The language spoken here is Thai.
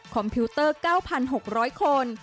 พิวเตอร์๙๖๐๐คน